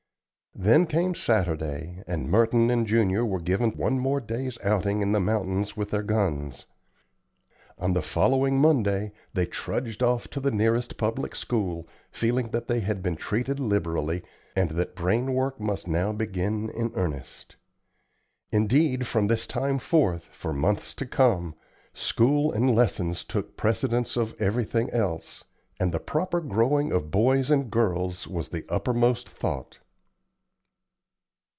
Then came Saturday, and Merton and Junior were given one more day's outing in the mountains with their guns. On the following Monday they trudged off to the nearest public school, feeling that they had been treated liberally, and that brain work must now begin in earnest. Indeed from this time forth, for months to come, school and lessons took precedence of everything else, and the proper growing of boys and girls was the uppermost thought.